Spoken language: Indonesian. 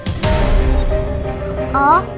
saya akan bapak kau